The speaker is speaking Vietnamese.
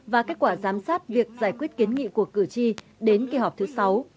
và kết quả giám sát việc giải quyết kiến nghị của cử tri đến kỳ họp thứ sáu